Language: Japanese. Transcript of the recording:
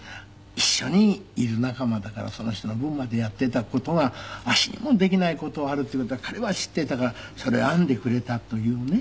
一緒にいる仲間だからその人の分までやっていた事がわしにもできない事はあるっていう事を彼は知っていたからそれを編んでくれたというね。